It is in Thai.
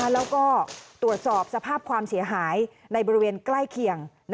แล้วก็ตรวจสอบสภาพความเสียหายในบริเวณใกล้เคียง